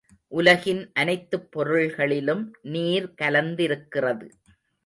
உலகின் அனைத்துப் பொருள்களிலும் நீர் கலந்திருக்கிறது.